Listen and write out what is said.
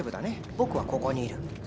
僕はここにいる。